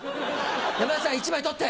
山田さん１枚取って。